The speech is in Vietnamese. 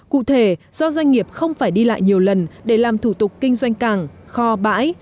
cụ thể do doanh nghiệp không phải đi lại nhiều lần để làm thủ tục kinh doanh càng kho bãi